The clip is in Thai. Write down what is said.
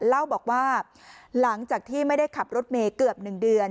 เล่าบอกว่าหลังจากที่ไม่ได้ขับรถเมย์เกือบ๑เดือน